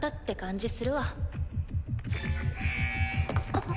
あっ。